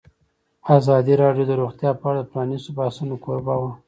ازادي راډیو د روغتیا په اړه د پرانیستو بحثونو کوربه وه.